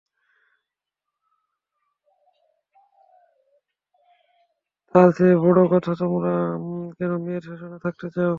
তারচেয়েও বড় কথা তোমরা কোনো মেয়ের শাসনে থাকতে চাও?